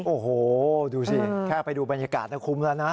โอ้โหดูสิแค่ไปดูบรรยากาศคุ้มแล้วนะ